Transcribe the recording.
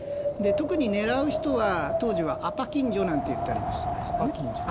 特に狙う人は当時はアパ勤女なんて言ったりしていました。